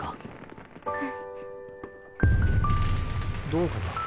どうかな？